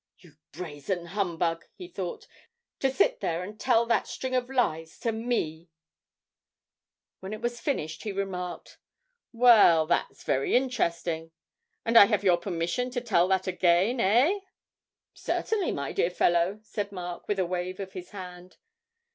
'You brazen humbug!' he thought; 'to sit there and tell that string of lies to me!' When it was finished he remarked, 'Well, that's very interesting; and I have your permission to tell that again, eh?' 'Certainly, my dear fellow,' said Mark, with a wave of his hand.